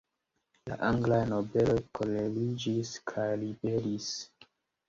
La anglaj nobeloj koleriĝis kaj ribelis.